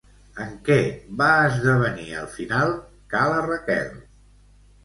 En què va esdevenir al final Ca la Raquel?